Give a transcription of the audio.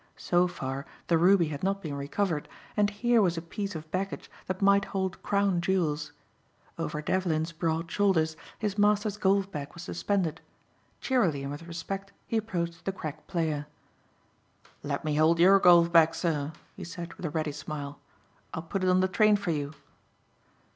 So far the ruby had not been recovered and here was a piece of baggage that might hold crown jewels. Over Devlin's broad shoulders his master's golf bag was suspended. Cheerily and with respect he approached the crack player. "Let me hold your golf bag, sir," he said with a ready smile. "I'll put it on the train for you."